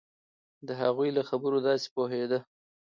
د هغوی له خبرو داسې پوهېده.